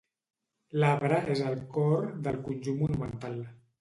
L'Arbre és el cor del conjunt monumental.